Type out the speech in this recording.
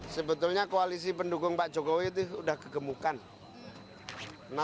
sebetulnya koalisi pendukung pak jokowi itu sudah kegemukan